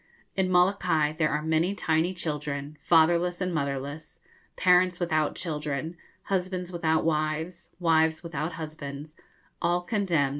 In Molokai there are many tiny children, fatherless and motherless, parents without children, husbands without wives, wives without husbands, 'all condemned.'